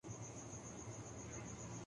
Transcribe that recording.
کبھی سیاسی بت اور کبھی معاشرتی